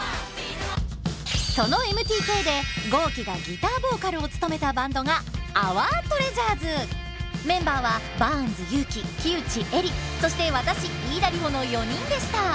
そのＭＴＫで公輝がギターボーカルを務めたバンドがメンバーはバーンズ勇気木内江莉そして私飯田里穂の４人でした。